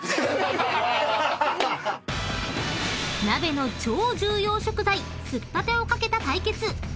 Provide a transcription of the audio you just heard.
［鍋の超重要食材すったてを懸けた対決］